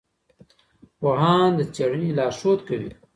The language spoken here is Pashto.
پوهان د څېړنې لارښود کوي.